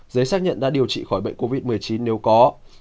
giấy xác nhận đã điều trị khỏi bệnh covid một mươi chín nếu có